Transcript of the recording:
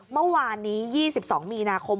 เมื่อวานนี้๒๒มีนาคม